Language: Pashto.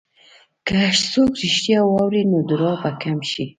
که څوک رښتیا واوري، نو دروغ به کم شي.